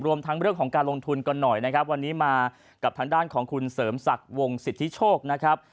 รวมทั้งเรื่องของการลงทุนกันหน่อยนะครับวันนี้มากับทางด้านของคุณเสริมศักดิ์วงสิทธิโชคนะครับ